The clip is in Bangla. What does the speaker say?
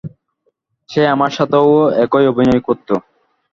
সে আমার সাথেও একই অভিনয় করতো।